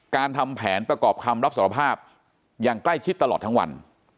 ทำแผนประกอบคำรับสารภาพอย่างใกล้ชิดตลอดทั้งวัน